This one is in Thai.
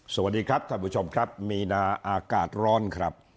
สวัสดีครับท่านผู้ชมครับมีนาอากาศร้อนครับ